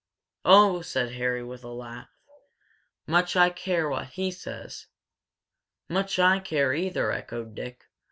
"Oh!" said Harry, with a laugh. "Much I care what he says!" "Much I care, either!" echoed Dick.